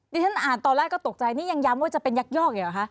ที่ฉันอ่านตอนแรกก็ตกใจนี่ยังย้ำว่าจะเป็นยักยอกอยู่เหรอคะ